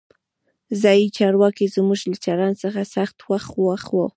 ځایي چارواکي زموږ له چلند څخه سخت خوښ وو.